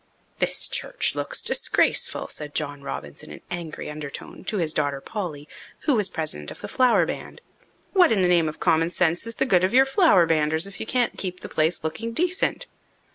"This church looks disgraceful," said John Robbins in an angry undertone to his daughter Polly, who was president of the Flower Band. "What in the name of common sense is the good of your Flower Banders if you can't keep the place looking decent?"